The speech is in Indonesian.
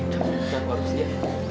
kita ke atas ya